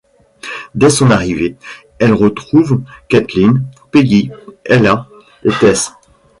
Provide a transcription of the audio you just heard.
Dès son arrivée, elle retrouve Caitlyn, Peggy, Ella et Tess.